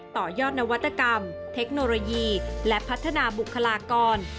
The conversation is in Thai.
ต่อยอดนวัตกรรมเทคโนโลยีและพัฒนาบุคลากร